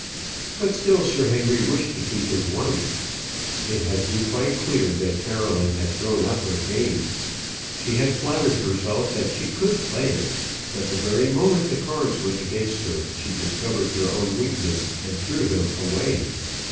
But still Sir Henry wished to keep his wife. It has been quite clear that Caroline had thrown up her game. She had flattered herself that she could play it; but the very moment the cards went against her, she discovered her own weakness and threw them away.